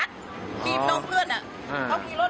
สิว่าขาดการบ้านก็